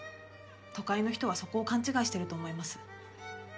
都会の人はそこを勘違いしてると思います。